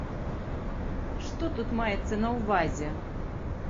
Што тут маецца на ўвазе?